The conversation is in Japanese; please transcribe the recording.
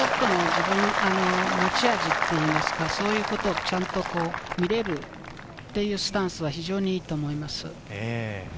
自分の持ち味といいますか、それをちゃんと見られるというスタンスは非常にいいと思いますよ。